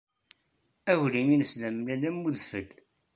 Aglim-nnes d amellal am udfel.